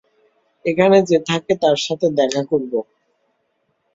এখানে যে থাকে তার সাথে দেখা করব।